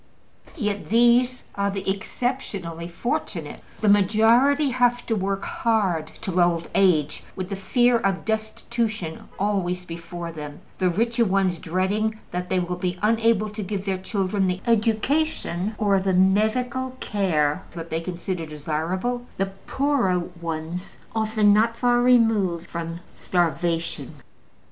Yet these are the exceptionally fortunate: the majority have to work hard till old age, with the fear of destitution always before them, the richer ones dreading that they will be unable to give their children the education or the medical care that they consider desirable, the poorer ones often not far removed from starvation.